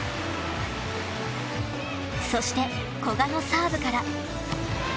そして古賀のサーブから。